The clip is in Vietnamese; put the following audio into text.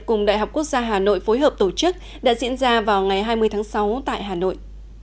cùng đại học quốc gia hà nội phối hợp tổ chức đã diễn ra vào ngày hai mươi tháng sáu tại hà nội